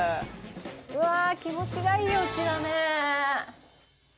うわあ気持ちがいいお家だね。